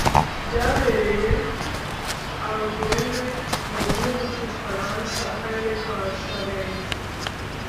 byabereye angoulême, mu gihugu y'u bufaransa, akarere ka charente,